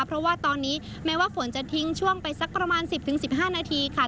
เพราะว่าตอนนี้แม้ว่าฝนจะทิ้งช่วงไปสักประมาณ๑๐๑๕นาทีค่ะ